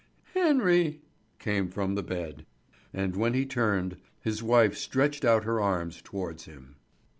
"Henry!" came from the bed. And when he turned, his wife stretched out her arms towards him.